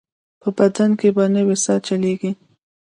په بدن کې به نوې ساه چلېږي.